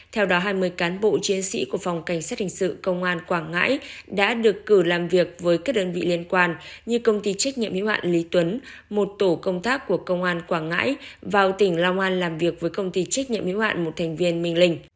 theo đó hai mươi cán bộ chiến sĩ của phòng cảnh sát hình sự công an quảng ngãi đã được cử làm việc với các đơn vị liên quan như công ty trách nhiệm hiếu hạn lý tuấn một tổ công tác của công an quảng ngãi vào tỉnh long an làm việc với công ty trách nhiệm hiếu hạn một thành viên minh linh